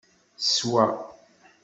Teswa.